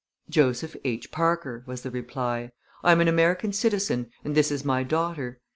"Joseph H. Parker," was the reply. "I am an American citizen and this is my daughter.